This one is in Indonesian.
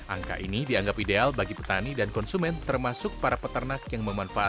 angka ini dianggap ideal bagi petani dan konsumen termasuk para peternak yang memanfaatkan